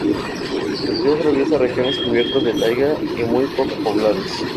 El río atraviesa regiones cubiertas de taiga y muy poco pobladas.